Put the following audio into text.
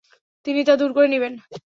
তিনি তা দূর করে দিবেন।